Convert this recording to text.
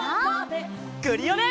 クリオネ！